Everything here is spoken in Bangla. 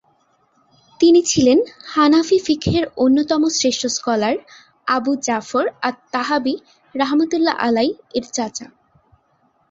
তিনি ছিলেন হানাফি ফিকহের অন্যতম শ্রেষ্ঠ স্কলার আবু জাফর আত-তাহাবী রহঃ এর চাচা।